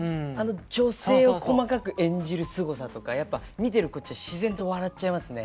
女性を細かく演じるすごさとかやっぱ見てるこっちは自然と笑っちゃいますね。